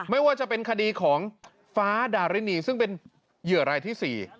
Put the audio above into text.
ไม่ว่าจะเป็นคดีของฟ้าดารินีซึ่งเป็นเหยื่อรายที่๔